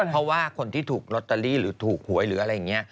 เพราะว่าคนที่ถูกลอตเตอรี่หรือถูกหวยหรืออะไรอย่างนี้